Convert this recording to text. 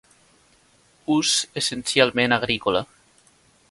Ús essencialment agrícola.